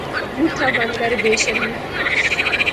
بوتھا بند کر، بے شرمی